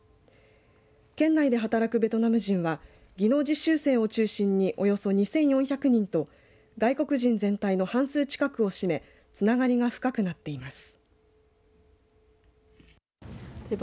県内で働くベトナム人は技能実習生を中心におよそ２４００人と外国人全体の半数近くを占めつながりが深くなっています。